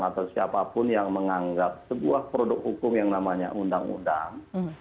atau siapapun yang menganggap sebuah produk hukum yang namanya undang undang